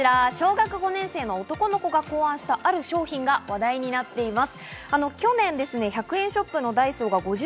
小学５年生の男の子が考案したある商品が話題になっています。